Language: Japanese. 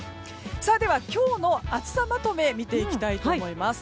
では今日の暑さまとめ見ていきたいと思います。